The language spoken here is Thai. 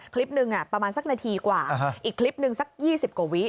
คลิปหนึ่งประมาณสักนาทีกว่าอีกคลิปหนึ่งสัก๒๐กว่าวิ